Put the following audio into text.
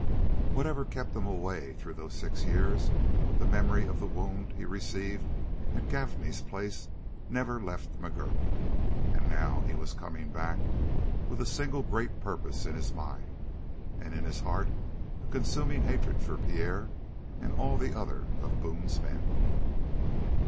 Whatever kept him away through those six years, the memory of the wound he received at Gaffney's place never left McGurk, and now he was coming back with a single great purpose in his mind, and in his heart a consuming hatred for Pierre and all the other of Boone's men.